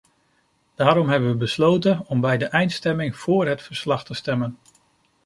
Daarom hebben we besloten om bij de eindstemming voor het verslag te stemmen.